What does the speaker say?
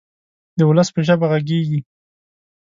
د ولس په ژبه غږیږي.